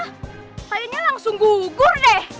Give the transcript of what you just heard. kayanya langsung gugur deh